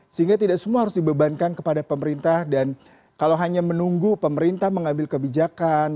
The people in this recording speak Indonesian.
sehingga tidak semua harus dibebankan kepada pemerintah dan kalau hanya menunggu pemerintah mengambil kebijakan